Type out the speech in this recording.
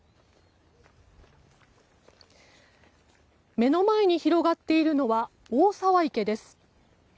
目の前に広がっているのは大沢池です。